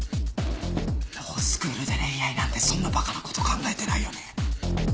ロースクールで恋愛なんてそんなバカなこと考えてないよね？